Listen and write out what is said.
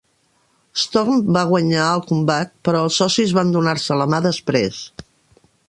Storm va guanyar el combat, però els socis van donar-se la mà després.